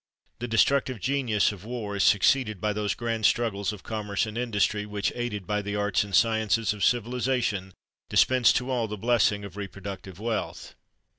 The destructive genius of war is succeeded by those grand struggles of commerce and industry, which, aided by the arts and sciences of civilisation, dispense to all the blessing of reproductive wealth.